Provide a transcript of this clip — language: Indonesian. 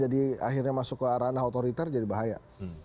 jadi akhirnya masuk ke arah arah otoriter jadi bahaya